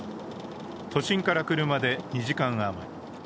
都心から車で２時間余り。